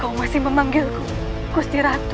kau masih memanggilku kusti ratu